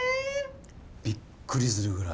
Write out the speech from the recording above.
びっくりするぐらい。